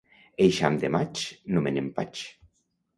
Eixam de maig, no me n'empatx.